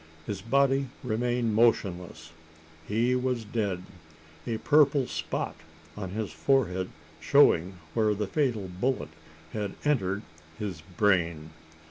His body remained motionless. He was dead a purple spot on his forehead showing where the fatal bullet had entered his brain!